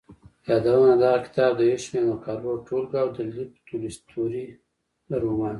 يادونه دغه کتاب د يو شمېر مقالو ټولګه او د لېف تولستوري د رومان.